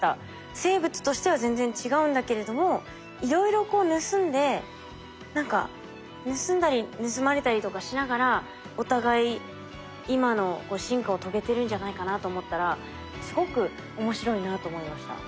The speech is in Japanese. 生物としては全然違うんだけれどもいろいろこう盗んで何か盗んだり盗まれたりとかしながらお互い今の進化を遂げてるんじゃないかなと思ったらすごく面白いなと思いました。